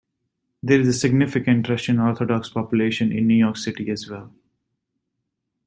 There is a significant Russian Orthodox population in New York City as well.